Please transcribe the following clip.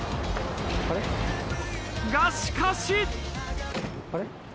がしかし。